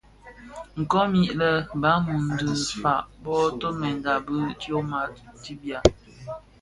Komid lè Balum dhi fag bō toňdènga bi tyoma ti bia.